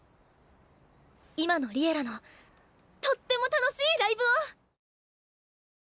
今の「Ｌｉｅｌｌａ！」のとっても楽しいライブを！